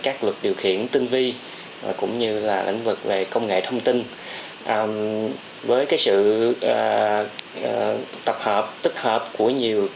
lĩnh vực điều khiển tinh vi cũng như lĩnh vực về công nghệ thông tin với sự tích hợp của nhiều